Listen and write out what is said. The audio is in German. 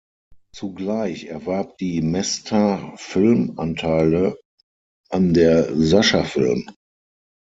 Zugleich erwarb die Meßter-Film Anteile an der Sascha-Film.